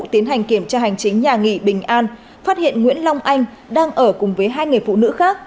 tiến hành kiểm tra hành chính nhà nghỉ bình an phát hiện nguyễn long anh đang ở cùng với hai người phụ nữ khác